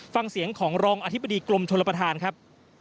ฟังเสียงของรองอธิบดีกรมชนประธานครับ